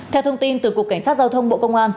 theo thông tin từ cục cảnh sát giao thông bộ công an